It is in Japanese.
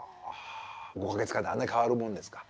５か月間であんなに変わるもんですか？